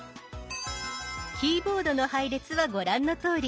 キーボードの配列はご覧のとおり。